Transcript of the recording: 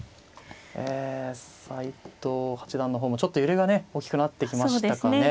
え斎藤八段の方もちょっと揺れがね大きくなってきましたかね。